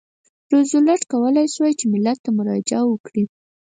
روزولټ کولای شوای چې ملت ته مراجعه وکړي.